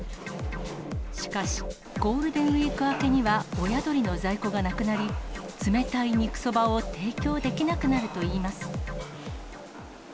しかし、ゴールデンウィーク明けには、親鳥の在庫がなくなり、冷たい肉そばを提供できなくなるといいます。